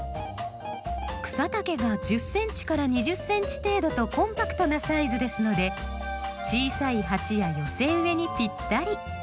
草丈が１０ｃｍから２０ｃｍ程度とコンパクトなサイズですので小さい鉢や寄せ植えにぴったり。